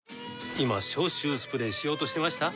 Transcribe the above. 今消臭スプレーしようとしてました？